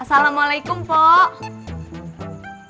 assalamualaikum tincan ibu